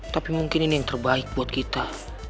tapi mungkin ini yang terbaik buat kita